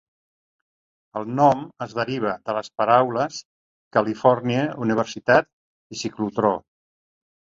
El nom es deriva de les paraules "Califòrnia", "universitat" i "ciclotró".